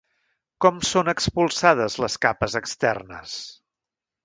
Com són expulsades les capes externes?